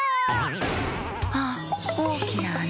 あっおおきなあな。